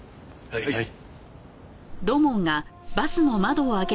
はい。